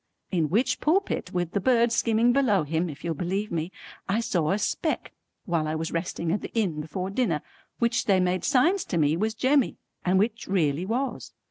In which pulpit with the birds skimming below him if you'll believe me, I saw a speck while I was resting at the inn before dinner which they made signs to me was Jemmy and which really was.